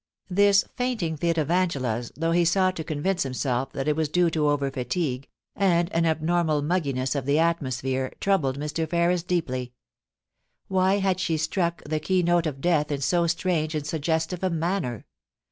This fainting fit of Angela's, though he sought to convince himself that it was due to over fatigue, and an abnormal mugginess of the atmosphere, troubled Mr. Ferris deeply. Why had she struck the key note of death in so strange and suggestive a manner